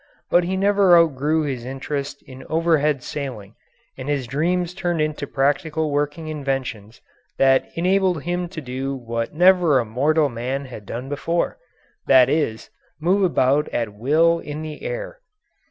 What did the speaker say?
But he never outgrew this interest in overhead sailing, and his dreams turned into practical working inventions that enabled him to do what never a mortal man had done before that is, move about at will in the air.